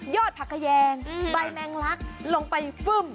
ผักขยงใบแมงลักลงไปฟึ่ม